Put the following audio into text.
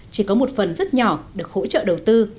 chỉ có một phần rất nhỏ được hỗ trợ đầu tư